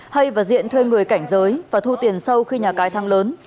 hay và diện thuê người cảnh giới và thu tiền sâu khi nhà cái thăng lớn